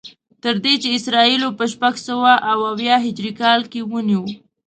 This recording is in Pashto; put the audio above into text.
تر دې چې اسرائیلو په شپږسوه او اویا هجري کال کې ونیو.